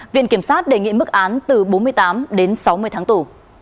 viện kiểm sát đề nghị mức án từ bốn mươi tám đến sáu mươi tháng tù